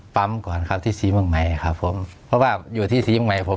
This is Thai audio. ก่อนครับที่ศรีเมืองใหม่ครับผมเพราะว่าอยู่ที่ศรีเมืองใหม่ผม